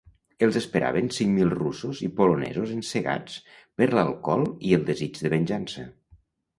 Els esperaven cinc mil russos i polonesos encegats per l'alcohol i el desig de venjança.